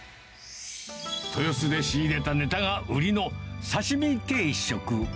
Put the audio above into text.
豊洲で仕入れたネタが売りの刺身定食。